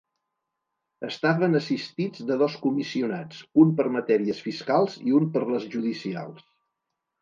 Estaven assistits de dos comissionats, un per matèries fiscals i un per les judicials.